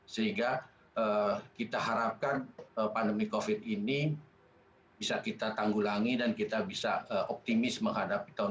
sehingga kita harapkan pandemi covid ini bisa kita tanggulangi dan kita bisa optimis menghadapi tahun dua ribu dua puluh